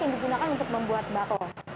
yang digunakan untuk membuat bakau